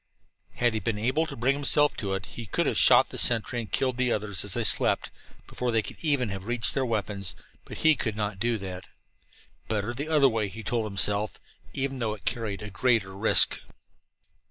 Had he been able to bring himself to it, he could have shot the sentry and killed the others as they slept, before they could even have reached for their weapons. But he could not do that. Better the other way, he told himself, even though it carried a greater risk.